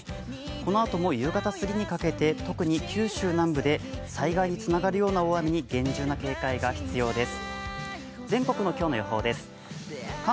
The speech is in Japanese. このあとも夕方すぎにかけて、特に九州南部で災害につながるような大雨に厳重な警戒が必要です。